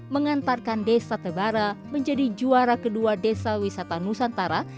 mengantarkan desa tebara menjadi juara kedua desa wisata nusantara